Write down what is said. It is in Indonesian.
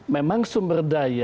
memang sumber daya